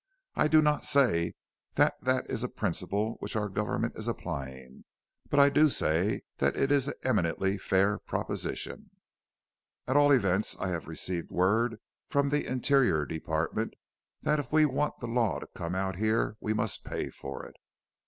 I do not say that that is a principle which our government is applying, but I do say that it is an eminently fair proposition. "At all events I have received word from the Interior Department that if we want the law to come out here we must pay for it.